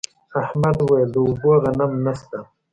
احمد وويل: د اوبو غم نشته.